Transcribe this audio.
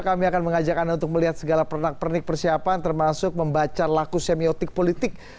kami akan mengajak anda untuk melihat segala pernak pernik persiapan termasuk membaca laku semiotik politik